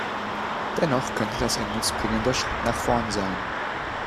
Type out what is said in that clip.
Dennoch könnte das ein nutzbringender Schritt nach vorn sein.